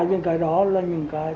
những cái đó là những cái